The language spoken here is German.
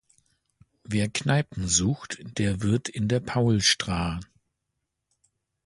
Wer Kneipen sucht, der wird in der Paulstra